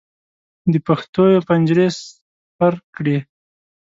د پښتیو پنجرې سپر کړې.